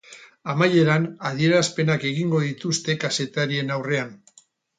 Amaieran, adierazpenak egingo dituzte kazetarien aurrean.